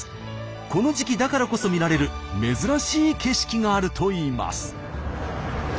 この時期だからこそ見られる珍しい景色があるといいます。